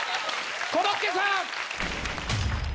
コロッケさん。